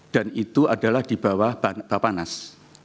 dan itu adalah di bawah bapanas